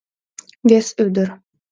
Вес ӱдыр.